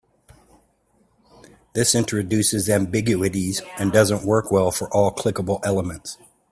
This introduces ambiguities and doesn't work well for all clickable elements.